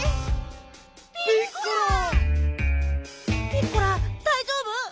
ピッコラだいじょうぶ？